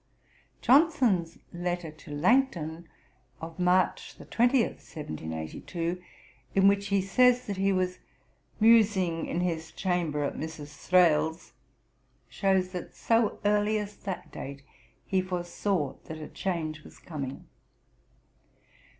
"' Johnson's letter to Langton of March 20, 1782 (ante, p. 145), in which he says that he was 'musing in his chamber at Mrs. Thrale's,' shews that so early as that date he foresaw that a change was coming.